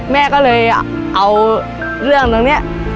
แม่ก็เลยเอาเรื่องตรงนี้